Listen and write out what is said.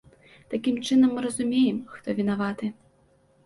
Такім чынам, мы разумеем, хто вінаваты.